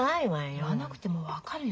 言わなくても分かるよ